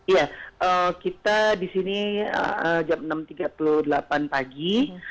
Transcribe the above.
ya kita di sini jam enam tiga puluh delapan pagi